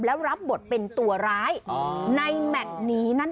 แล้วรับบทเป็นตัวร้ายในแมทนี้นั่นเอง